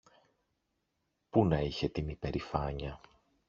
που να είχε την υπερηφάνεια